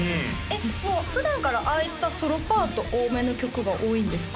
もう普段からああいったソロパート多めの曲が多いんですか？